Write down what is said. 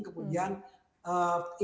kemudian inovasi teknologi